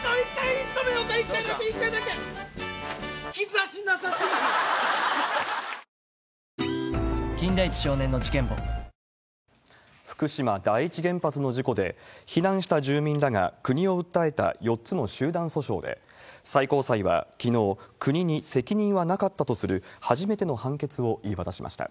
福島第一原発事故の集団訴訟で、福島第一原発の事故で、避難した住民らが国を訴えた４つの集団訴訟で、最高裁はきのう、国に責任はなかったとする、初めての判決を言い渡しました。